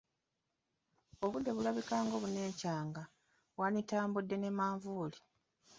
Obudde bulabika nga obuneecanga, wanditambudde ne manvuuli.